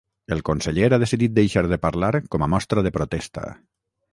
El conseller ha decidit deixar de parlar com a mostra de protesta.